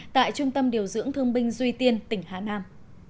tại trung tâm điều dưỡng thương binh duy tiên tỉnh hà nam